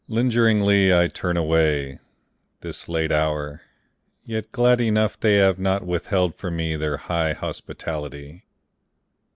Lingeringly I turn away, This late hour, yet glad enough They have not withheld from me Their high hospitality.